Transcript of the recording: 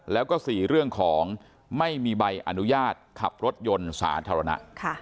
แล้วก็๔เรื่องของไม่มีใบอนุญาตขับรถยนต์สาธารณะ